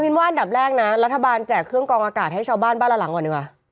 ว่าอันดับแรกนะรัฐบาลแจกเครื่องกองอากาศให้ชาวบ้านบ้านละหลังก่อนดีกว่า